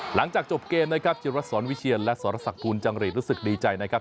หลังจากจบเกมนะครับจิรัสสอนวิเชียนและสรษักภูลจังหรีดรู้สึกดีใจนะครับ